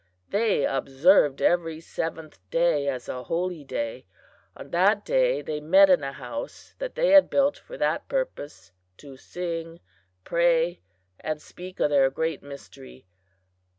They observed every seventh day as a holy day. On that day they met in a house that they had built for that purpose, to sing, pray, and speak of their Great Mystery.